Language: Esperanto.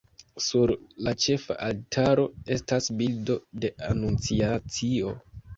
Sur la ĉefa altaro estas bildo de Anunciacio.